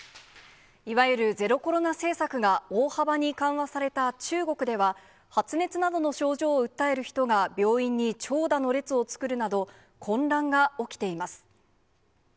いわゆるゼロコロナ政策が大幅に緩和された中国では、発熱などの症状を訴える人が病院に長蛇の列を作るなど、混乱が起きています。